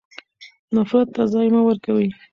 نفرت ته ځای مه ورکوئ.